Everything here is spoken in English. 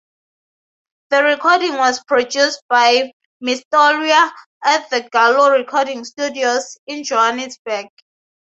The recording was produced by Motsieloa at the Gallo Recording Studios, in Johannesburg.